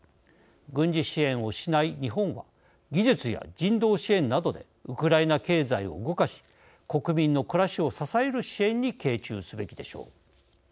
軍事支援をしない日本は技術や人道支援などでウクライナ経済を動かし国民の暮らしを支える支援に傾注すべきでしょう。